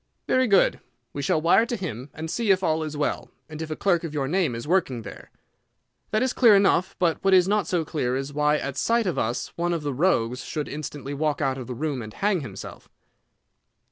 "Very good; we shall wire to him, and see if all is well, and if a clerk of your name is working there. That is clear enough; but what is not so clear is why at sight of us one of the rogues should instantly walk out of the room and hang himself."